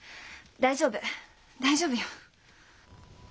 大丈夫大丈夫よ。